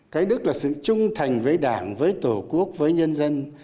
cái đức là sự trung thành với đảng với tổ quốc với nhân dân